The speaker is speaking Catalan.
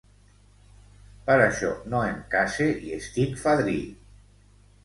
Per això no em case i estic fadrí.